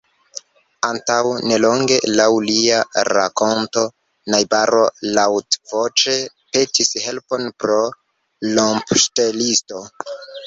Antaŭ nelonge, laŭ lia rakonto, najbaro laŭtvoĉe petis helpon pro rompoŝtelisto.